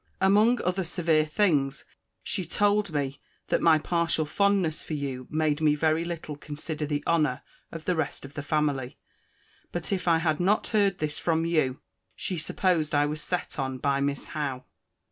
Among other severe things, she told me, that my partial fondness for you made me very little consider the honour of the rest of the family: but, if I had not heard this from you, she supposed I was set on by Miss Howe.